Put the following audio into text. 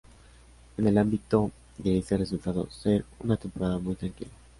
En el ámbito de este resultado ser una temporada muy tranquila.